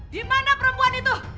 di mana perempuan itu